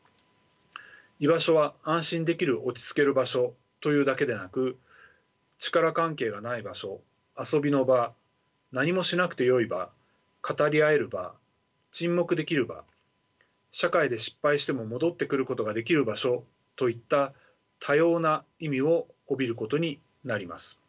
居場所は安心できる落ち着ける場所というだけでなく力関係がない場所遊びの場何もしなくてよい場語り合える場沈黙できる場社会で失敗しても戻ってくることができる場所といった多様な意味を帯びることになります。